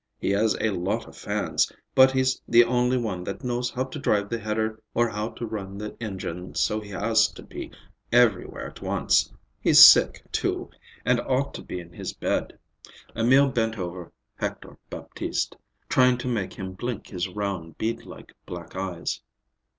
He has a lot of hands, but he's the only one that knows how to drive the header or how to run the engine, so he has to be everywhere at once. He's sick, too, and ought to be in his bed." Emil bent over Hector Baptiste, trying to make him blink his round, bead like black eyes.